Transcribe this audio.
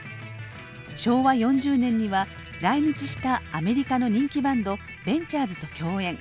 昭和４０年には来日したアメリカの人気バンドベンチャーズと競演。